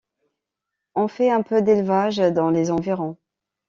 On fait un peu d'élevage dans les environs.